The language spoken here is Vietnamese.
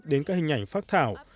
đến các hình ảnh phác thảo